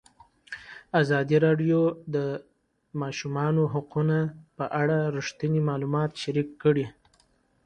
ازادي راډیو د د ماشومانو حقونه په اړه رښتیني معلومات شریک کړي.